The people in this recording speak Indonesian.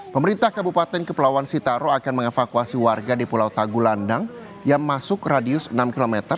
pemerintah kabupaten kepulauan sitaro akan mengevakuasi warga di pulau tagulandang yang masuk radius enam km